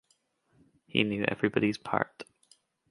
He knew everybody's part.